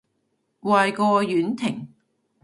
壞過婉婷